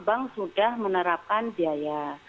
bank sudah menerapkan biaya